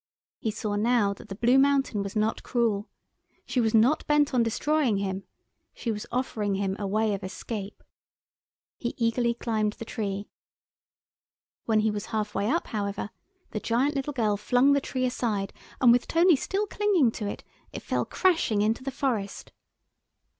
He saw now that the Blue Mountain was not cruel. She was not bent on destroying him. She was offering him a way of escape. He eagerly climbed the tree. When he was half way up, however, the giant little girl flung the tree aside, and with Tony still clinging to it, it fell crashing into the forest.